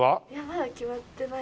まだ決まってない。